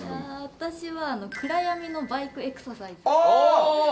私は暗闇のバイクエクササイズ・ああ！